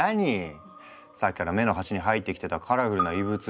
さっきから目の端に入ってきてたカラフルな異物。